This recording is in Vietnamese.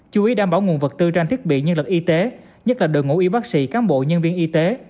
chú ý đảm bảo nguồn vật tư trang thiết bị nhân lực y tế nhất là đội ngũ y bác sĩ cán bộ nhân viên y tế